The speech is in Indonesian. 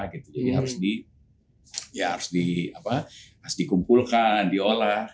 jadi harus dikumpulkan diolah